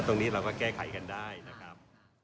ตรงนี้เราก็แก้ไขกันได้นะครับ